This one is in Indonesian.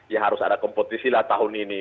ya harus ada kompetisi lah tahun ini